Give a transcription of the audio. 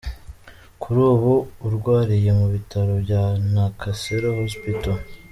Kuri ubu arwariye mu bitaro bya Nakasero Hospital,.